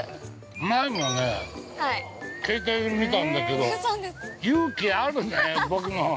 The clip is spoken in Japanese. ◆前もね、携帯で見たんだけど勇気あるね、僕の。